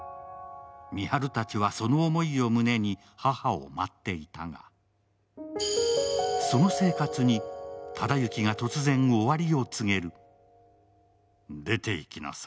深春たちはその思いを胸に母を待っていたが、その生活に、忠之が突然終わりを告げる。